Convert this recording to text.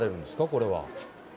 これは。